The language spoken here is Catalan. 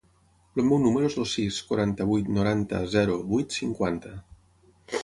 El meu número es el sis, quaranta-vuit, noranta, zero, vuit, cinquanta.